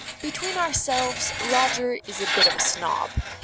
Between ourselves Roger is a bit of a snob.